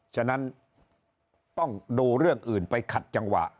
ฉะนั้นต้องดูเรื่องอื่นไปขัดจังหวะ